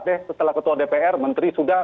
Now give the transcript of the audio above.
deh setelah ketua dpr menteri sudah